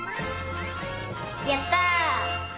やった！